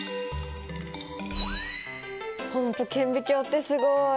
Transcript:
ほんと顕微鏡ってすごい！